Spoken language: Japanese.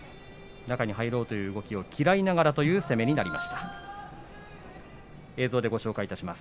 中に入ろうという動きを嫌いながらという攻めになりました。